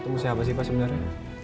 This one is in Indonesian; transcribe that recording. tunggu siapa sih pak sebenernya